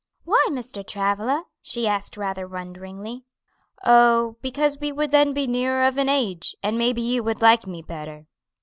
"Why, Mr. Travilla?" she asked rather wonderingly. "Oh, because we would then be nearer of an age, and maybe you would like me better."